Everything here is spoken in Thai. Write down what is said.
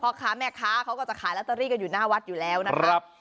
ค้าแม่ค้าเขาก็จะขายลอตเตอรี่กันอยู่หน้าวัดอยู่แล้วนะครับ